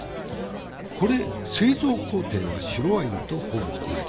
これ製造工程は白ワインとほぼ同じ。